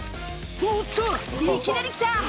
「おっといきなり来た！